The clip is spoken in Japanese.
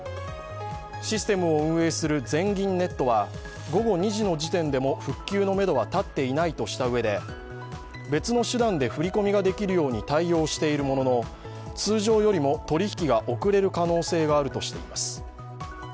システムを運営する全銀ネットは午後２時の時点でも復旧のめどは立っていないとしたうえで、別の手段で振り込みができるように対応しているものの、通常よりも取引が遅れる可能性があるとしています。